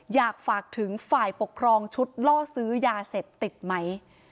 อยากฝากถึงฝ่ายปกครองชุดล่อซื้อยาเสพติดไหม